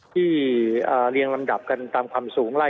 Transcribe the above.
ที่เรียงระดับกันตามความสูงไล่ไป